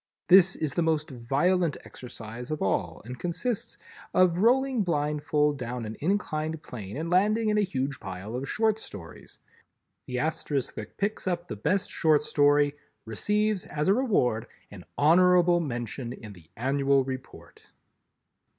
This is the most violent exercise of all and consists of rolling blindfold down an inclined plane and landing in a huge pile of short stories. The Asterisk that picks up the best Short Story, receives as a reward an honorable mention in the Annual Report.